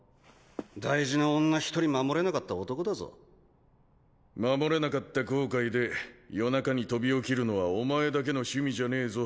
大事な女１人守れなかった男だぞ守れなかった後悔で夜中に飛び起きるのはお前だけの趣味じゃねえぞ